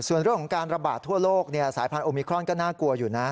ส่วนเรื่องของการระบาดทั่วโลกสายพันธุมิครอนก็น่ากลัวอยู่นะ